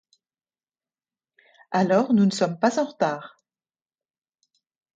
Alors, nous ne sommes pas en retard.